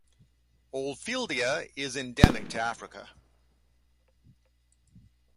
Oldfieldia is endemic to Africa.